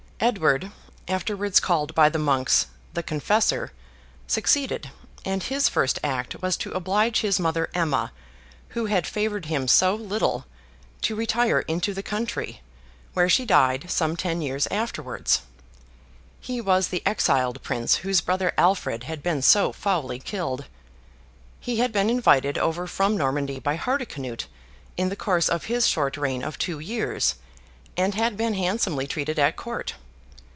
Edward, afterwards called by the monks The Confessor, succeeded; and his first act was to oblige his mother Emma, who had favoured him so little, to retire into the country; where she died some ten years afterwards. He was the exiled prince whose brother Alfred had been so foully killed. He had been invited over from Normandy by Hardicanute, in the course of his short reign of two years, and had been handsomely treated at court.